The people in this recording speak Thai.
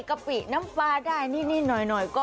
กะปิน้ำปลาได้นี่นี่หน่อย